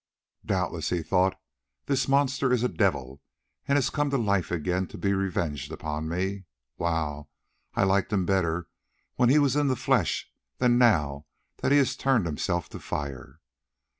"Doubtless," he thought, "this monster is a devil and has come to life again to be revenged upon me. Wow! I liked him better when he was in the flesh than now that he has turned himself to fire."